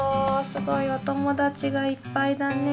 すごいおともだちがいっぱいだね。